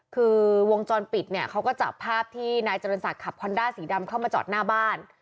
คือวงจรปิดเนี่ยเขาก็จับภาพที่นายเจริญศักดิ์ขับฮอนด้าสีดำเข้ามาจอดหน้าบ้าน